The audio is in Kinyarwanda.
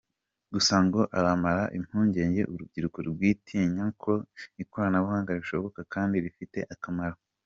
Gusa ngo aramara impungenge urubyiruko rwitinya ko ikoranabuhanga rishoboka, kandi rifite akamaro.